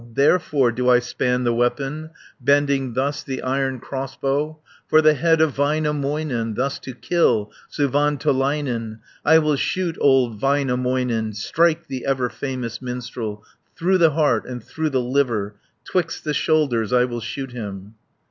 "Therefore do I span the weapon. Bending thus the iron crossbow. For the head of Väinämöinen, Thus to kill Suvantolainen, 110 I will shoot old Väinämöinen, Strike the ever famous minstrel, Through the heart, and through the liver, 'Twixt the shoulders I will shoot him."